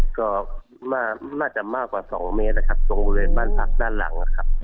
ก็มากจะมากกว่า๒เมตรตรงบริเวณบ้านภักดิ์ด้านหลัง